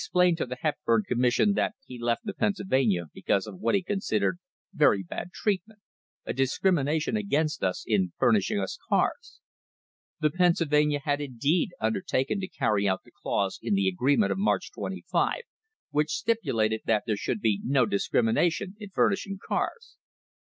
132] LAYING THE FOUNDATIONS OF A TRUST to the Hepburn Commission that he left the Pennsylvania because of what he considered "very bad treatment — a dis crimination against us in furnishing us cars." The Pennsyl vania had indeed undertaken to carry out the clause in the agreement of March 25 which stipulated that there should be no discrimination in furnishing cars.